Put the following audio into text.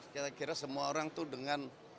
kira kira semua orang tuh dengan